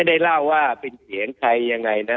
ได้เล่าว่าเป็นเสียงใครยังไงนะ